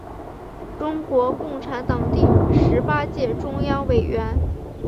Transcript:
中国共产党第十八届中央委员。